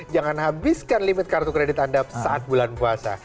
jangan habiskan limit kartu kredit anda saat bulan puasa